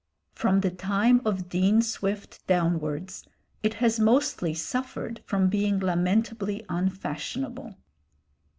From the time of Dean Swift downwards, it has mostly suffered from being lamentably unfashionable.